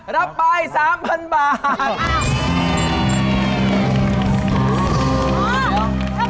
ได้ไปทั้งหมดครับ